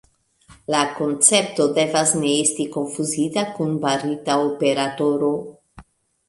La koncepto devas ne esti konfuzita kun barita operatoro.